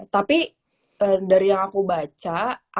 tapi dari yang aku baca ada kritik sih ya